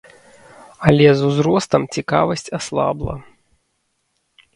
Але з узростам цікавасць аслабла.